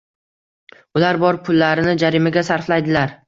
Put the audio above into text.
Ular bor pullarini jarimaga sarflaydilar.